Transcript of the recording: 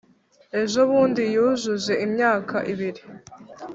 ejobundi, yujuje imyaka ibiri